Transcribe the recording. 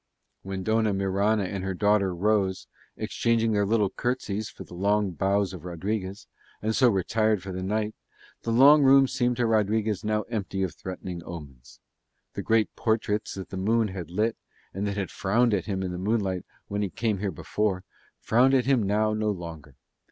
When Dona Mirana and her daughter rose, exchanging their little curtsies for the low bows of Rodriguez, and so retired for the night, the long room seemed to Rodriguez now empty of threatening omens. The great portraits that the moon had lit, and that had frowned at him in the moonlight when he came here before, frowned at him now no longer.